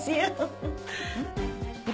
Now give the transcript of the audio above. うん。